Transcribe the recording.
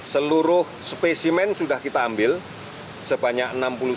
seluruh spesimen sudah kita ambil sebanyak enam puluh sembilan